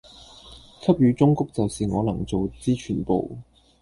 給予忠告就是我能做之全部